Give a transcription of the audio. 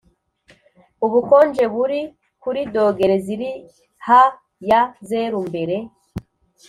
ubukonje buri kuri dogere ziri ha ya zeru Mbere